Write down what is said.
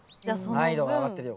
難易度が上がってるよ